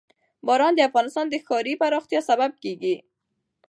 باران د افغانستان د ښاري پراختیا سبب کېږي.